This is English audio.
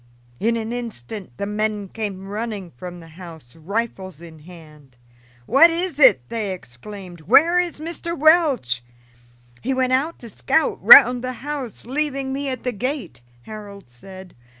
In an instant the men came running from the house, rifles in hand. "What is it?" they exclaimed. "Where is Mr. Welch?" "He went out to scout round the house, leaving me at the gate," Harold said.